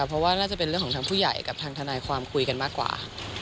เพราะว่าน่าจะเป็นเรื่องของทางผู้ใหญ่กับทางทนายความคุยกันมากกว่า